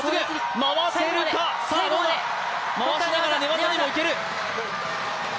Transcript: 回しながら寝技にもいける。